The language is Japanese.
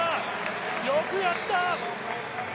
よくやった！